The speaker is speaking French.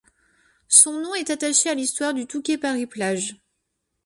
Son nom est attaché à l'histoire du Touquet-Paris-Plage.